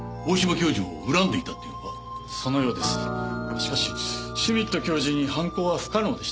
しかしシュミット教授に犯行は不可能でした。